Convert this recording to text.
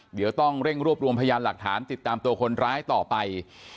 เดี๋ยวต้องเร่งรวบรวมพยานหลักฐานติดตามตัวคนร้ายต่อไป